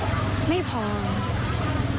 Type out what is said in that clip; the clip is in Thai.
แล้วมีคนพอไหมครับลุ่ม๑๓